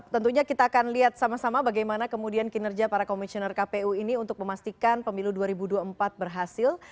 tentunya kita akan lihat sama sama bagaimana kemudian kinerja para komisioner kpu ini untuk memastikan pemilu dua ribu dua puluh empat berhasil